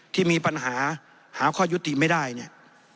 ที่มีปัญหาหาข้อยุติไม่ได้เนี่ย